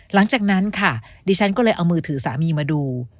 หลังจากนั้นค่ะดิฉันก็เลยเอามือถือสามีมาดู